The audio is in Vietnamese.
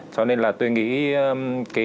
cho nên là tôi nghĩ